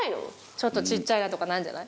ちょっとちっちゃいなとかなるんじゃない？